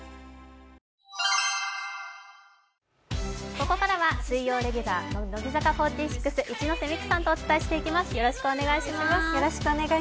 ここからは水曜レギュラー乃木坂４６、一ノ瀬美空さんとお伝えしていきます。